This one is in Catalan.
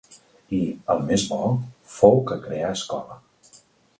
I, el més bo, fou que creà escola.